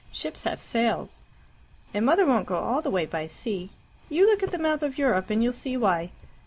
Ships have sails. And mother won't go all the way by sea. You look at the map of Europe, and you'll see why.